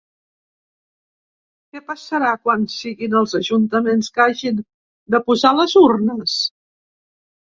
Què passarà quan siguin els ajuntaments que hagin de posar les urnes?